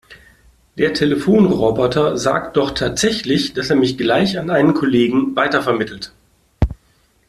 Der Telefonroboter sagt doch tatsächlich, dass er mich gleich an einen Kollegen weitervermittelt.